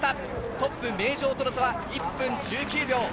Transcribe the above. トップ名城との差は１分１９秒。